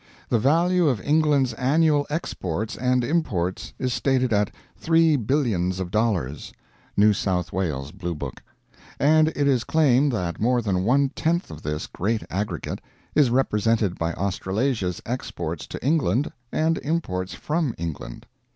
The value of England's annual exports and imports is stated at three billions of dollars, [New South Wales Blue Book.] and it is claimed that more than one tenth of this great aggregate is represented by Australasia's exports to England and imports from England.